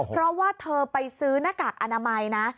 เพราะว่าเธอไปซื้อหน้ากากอนามัยนะ